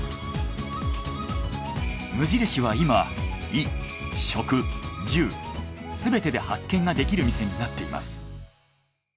無印は今衣食住すべてで発見ができる店になっています。